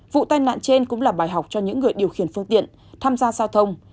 vụ tai nạn trên cũng là bài học cho những người điều khiển phương tiện tham gia giao thông